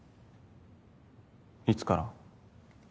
いつから？